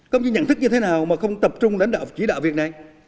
công chí nhận thức như thế nào mà không tập trung lãnh đạo chỉ đạo việc này